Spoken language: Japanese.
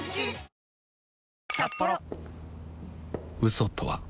嘘とは